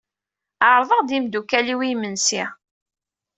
Ɛerḍeɣ-d imdukal-iw i imensi.